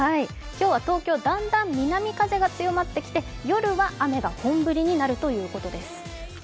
今日は東京、だんだん南風が強まってきて夜は雨が本降りになるということです。